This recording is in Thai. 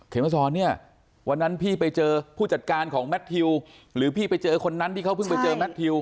มาสอนเนี่ยวันนั้นพี่ไปเจอผู้จัดการของแมททิวหรือพี่ไปเจอคนนั้นที่เขาเพิ่งไปเจอแมททิว